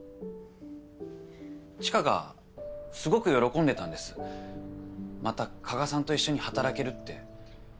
知花がすごく喜んでたんですまた加賀さんと一緒に働けるって。